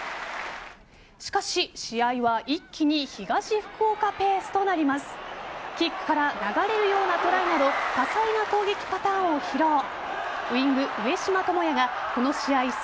しかし、試合は一気に東福岡ペースとなります。